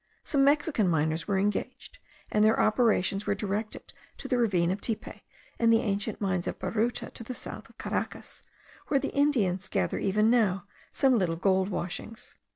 Some Mexican miners were engaged, and their operations were directed to the ravine of Tipe, and the ancient mines of Baruta to the south of Caracas, where the Indians gather even now some little gold washings.